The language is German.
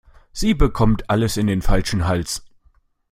Sie bekommt alles in den falschen Hals.